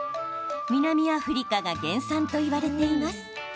南アフリカが原産といわれています。